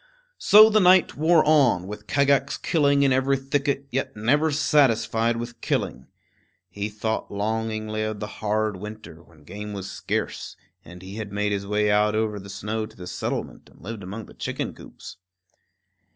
So the night wore on, with Kagax killing in every thicket, yet never satisfied with killing. He thought longingly of the hard winter, when game was scarce, and he had made his way out over the snow to the settlement, and lived among the chicken coops.